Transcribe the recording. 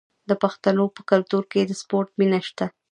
د پښتنو په کلتور کې د سپورت مینه شته.